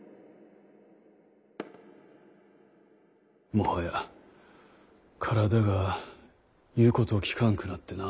もはや体が言うことをきかんくなってな。